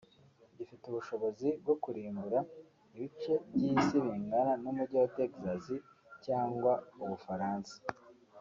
gifite ubushobozi bwo kurimbura ibice by’Isi bingana n’Umujyi wa Texas cyangwa u Bufaransa